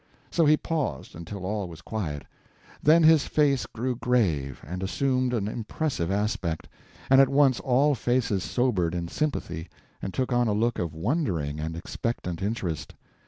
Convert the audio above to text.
So he paused until all was quiet, then his face grew grave and assumed an impressive aspect, and at once all faces sobered in sympathy and took on a look of wondering and expectant interest.